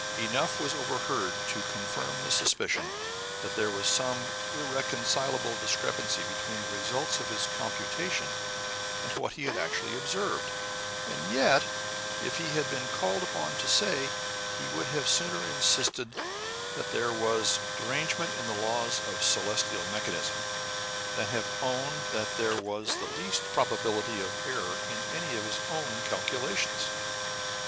Enough was overheard to confirm the suspicion that there was some irreconcilable discrepancy between the results of his computation and what he had actually observed; and yet, if he had been called upon to say, he would have sooner insisted that there was derangement in the laws of celestial mechanism, than have owned there was the least probability of error in any of his own calculations.